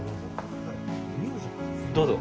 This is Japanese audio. どうぞ。